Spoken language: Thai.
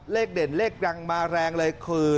เด่นเลขดังมาแรงเลยคือ